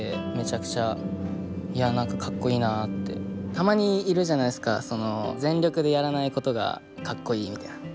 たまにいるじゃないですかその全力でやらないことがかっこいいみたいな。